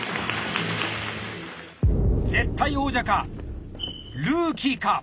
絶対王者かルーキーか。